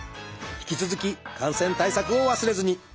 引き続き感染対策を忘れずに！